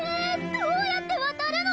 どうやってわたるの？